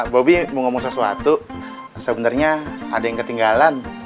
bobi mau ngomong sesuatu sebenarnya ada yang ketinggalan